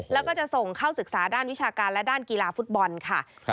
แล้วก็จะส่งเข้าศึกษาด้านวิชาการและด้านกีฬาฟุตบอลค่ะ